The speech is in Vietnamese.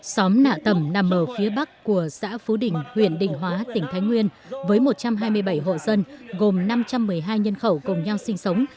xóm nạ tẩm nằm ở phía bắc của xã phú đình huyện định hóa tỉnh thái nguyên với một trăm hai mươi bảy hộ dân gồm năm trăm một mươi hai nhân khẩu cùng nhau sinh sống